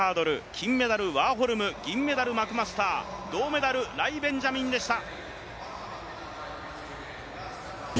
金メダルワーホルム、銀メダルマクマスター、銅メダル、ライ・ベンジャミンでした。